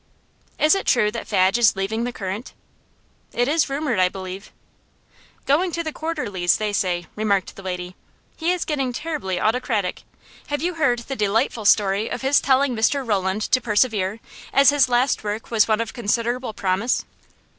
'Is it true that Fadge is leaving The Current?' 'It is rumoured, I believe.' 'Going to one of the quarterlies, they say,' remarked a lady. 'He is getting terribly autocratic. Have you heard the delightful story of his telling Mr Rowland to persevere, as his last work was one of considerable promise?